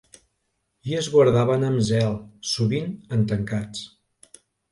I es guardaven amb zel, sovint en tancats.